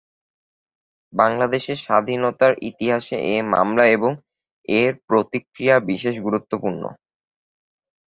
বাংলাদেশের স্বাধীনতার ইতিহাসে এ মামলা এবং এর প্রতিক্রিয়া বিশেষ গুরুত্বপূর্ণ।